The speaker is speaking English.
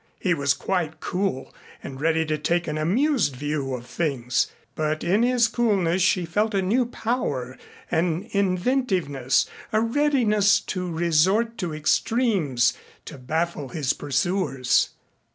He was quite cool and ready to take an amused view of things, but in his coolness she felt a new power, an inventiveness, a readiness to resort to extremes to baffle his pursuers.